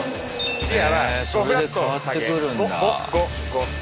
へそれで変わってくるんだ。